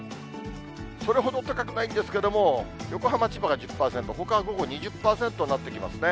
それほど高くないんですけれども、横浜、千葉が１０％、ほかは午後２０％になってきますね。